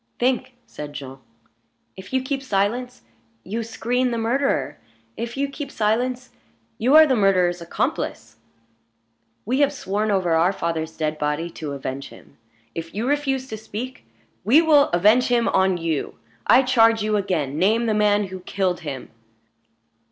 "Think!" said Jean. "If you keep silence, you screen the murderer. If you keep silence, you are the murderer's accomplice. We have sworn over our father's dead body to avenge him; if you refuse to speak, we will avenge him on you. I charge you again, name the man who killed him."